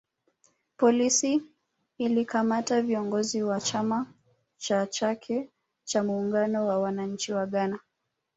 Polisi ilikamata viongozi wa chama cha chake cha muungano wa wananchi wa Ghana